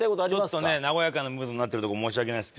ちょっとね和やかなムードになってるとこ申し訳ないです。